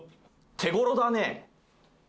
手頃だねえ。